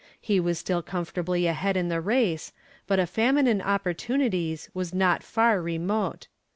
He was still comfortably ahead in the race, but a famine in opportunities was not far remote.